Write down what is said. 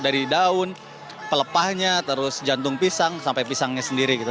dari daun pelepahnya terus jantung pisang sampai pisangnya sendiri gitu